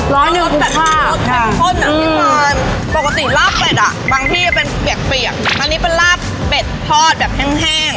ร้อนอยู่บุคค่าปกติราบเป็ดอ่ะบางที่เป็นเปียกอันนี้เป็นราบเป็ดทอดแห้ง